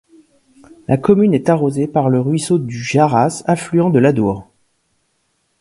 La commune est arrosée par le ruisseau du Jarras, affluent de l'Adour.